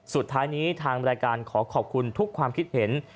สุดท้ายนี้ทางรายการขอขอบคุณทุกความคิดเห็น